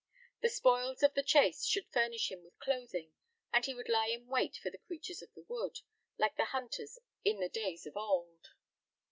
The spoils of the chase should furnish him with clothing, and he would lie in wait for the creatures of the wood, like the hunters in the days of old.